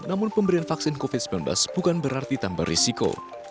namun pemberian vaksin covid sembilan belas bukan berarti tambah risiko